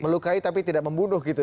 melukai tapi tidak membunuh gitu